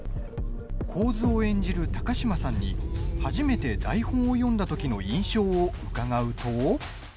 神頭を演じる高嶋さんに初めて台本を読んだときの印象を伺うと。